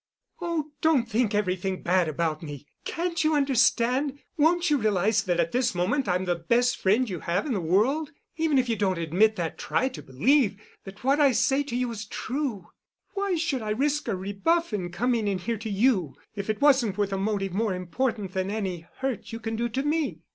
"Oh, don't think everything bad about me! Can't you understand? Won't you realize that at this moment I'm the best friend you have in the world? Even if you don't admit that, try to believe that what I say to you is true. Why should I risk a rebuff in coming in here to you if it wasn't with a motive more important than any hurt you can do to me?